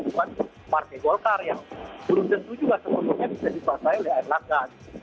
bukan partai golkar yang belum tentu juga sebetulnya bisa dibatalkan oleh air laga